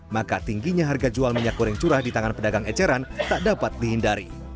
maka tingginya harga jual minyak goreng curah di tangan pedagang eceran tak dapat dihindari